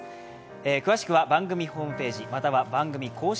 詳しくは番組ホームページ、または番組公式